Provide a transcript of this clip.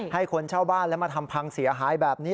ให้คนเช่าบ้านแล้วมาทำพังเสียหายแบบนี้